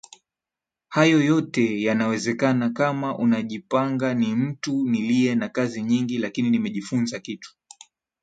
hayo yote yanawezekana kama unajipangani mtu niliye na kazi nyingi lakini nimejifunza kitu